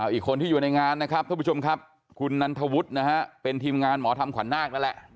อีกคนที่อยู่ในงานนะครับท่านผู้ชมครับคุณนันทวุฒินะฮะเป็นทีมงานหมอทำขวัญนาคนั่นแหละ